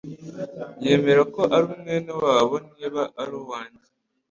yemera ko ari mwene wabo niba ari uwanjye.